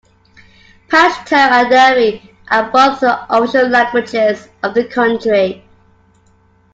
Pashto and Dari are both the official languages of the country.